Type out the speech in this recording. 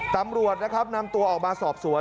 ตำรวจนะครับนำตัวออกมาสอบสวน